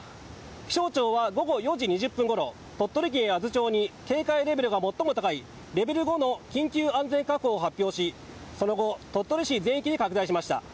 気象庁は午後４時２０分ごろ鳥取県八頭町に警戒レベルが最も高いレベル５の緊急安全確保を発表しその後、鳥取市全域に拡大しました。